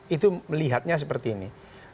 itu melihatnya seperti ini